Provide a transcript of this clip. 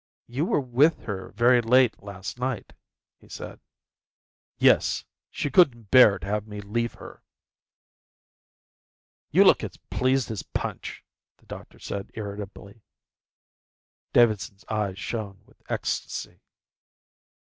"You were with her very late last night," he said. "Yes, she couldn't bear to have me leave her." "You look as pleased as Punch," the doctor said irritably. Davidson's eyes shone with ecstasy.